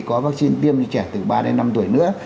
có vaccine tiêm cho trẻ từ ba đến năm tuổi nữa